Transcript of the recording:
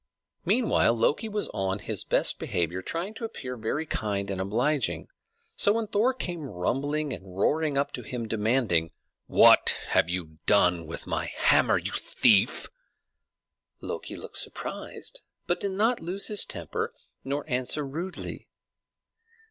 Meanwhile Loki was on his best behavior, trying to appear very kind and obliging; so when Thor came rumbling and roaring up to him, demanding, "What have you done with my hammer, you thief?" Loki looked surprised, but did not lose his temper nor answer rudely.